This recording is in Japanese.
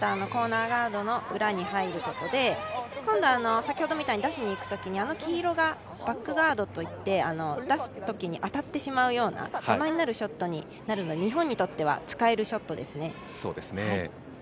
コーナーガードの裏に入ることで、今度は先ほどみたいに出しに行くときにあの黄色がバックガードといって、出すときに当たってしまうような邪魔になるショットになるので日本にとっては使えるショットですね。